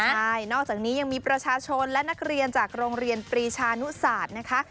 ใช่นอกจากนี้ยังมีประชาชนและนักเรียนจากโรงเรียนปรีชานุศาสตร์นะคะ